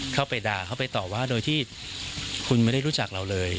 เข้าไปด่าเข้าไปต่อว่าโดยที่คุณไม่ได้รู้จักเราเลย